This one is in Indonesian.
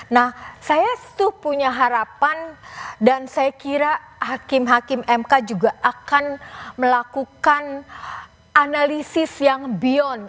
nah saya tuh punya harapan dan saya kira hakim hakim mk juga akan melakukan analisis yang beyond